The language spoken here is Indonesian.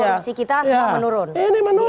atau demokrasi angka korupsi kita semua menurun